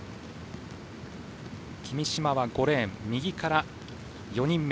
君嶋は５レーン、右から４人目。